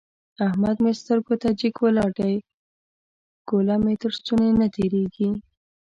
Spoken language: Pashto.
احمد مې سترګو ته جګ ولاړ دی؛ ګوله مې تر ستوني نه تېرېږي.